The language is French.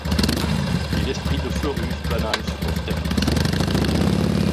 Et l'esprit de Fleurus planant sur Austerlitz